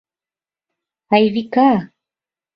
— Айвика...